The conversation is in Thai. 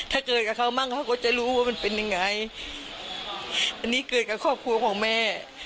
ถ้าเกิดกับเขามั่งเขาก็จะรู้ว่ามันเป็นยังไงอันนี้เกิดกับครอบครัวของแม่